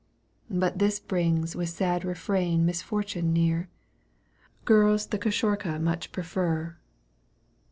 But this brings With sad refrain misfortune near. Girls the hishourha much prefer.